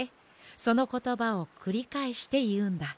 そのことばをくりかえしていうんだ。